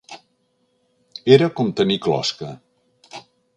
Era com tenir closca.